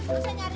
nggak usah nyari